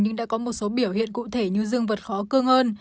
nhưng đã có một số biểu hiện cụ thể như dương vượt khó cương hơn